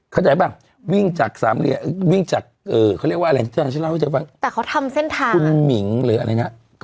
เขาใช้บ้างวิ่งจากสามเรือวิ่งจากเออเขาเรียกว่าอะไรแต่เขาทำเส้นทางคุณหมิงหรืออะไรนะ